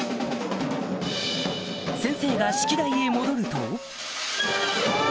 先生が指揮台へ戻ると